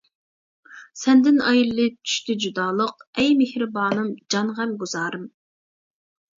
سەندىن ئايرىلىپ چۈشتى جۇدالىق، ئەي مېھرىبانىم، جان غەمگۇزارىم.